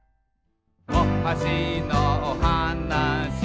「おはしのおはなし」